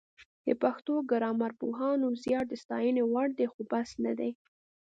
د پښتو ګرامرپوهانو زیار د ستاینې وړ دی خو بس نه دی